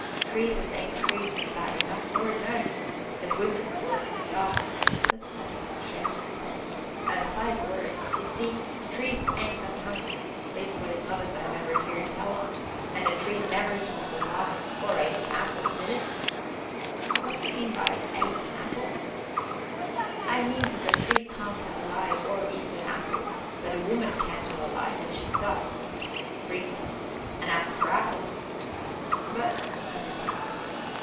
Trees as ain't trees is bad enough, Lord knows! but women's worse ah!" said the Pedler, shaking his head, "a sight worse! Ye see, trees ain't got tongues leastways not as I ever heerd tell on, an' a tree never told a lie or ate a apple, did it?" "What do you mean by 'ate an apple'?" "I means as a tree can't tell a lie, or eat a apple, but a woman can tell a lie which she does frequent, an' as for apples " "But " I began.